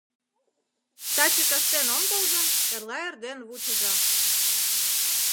Таче кастен ом тол гын, эрла эрден вучыза.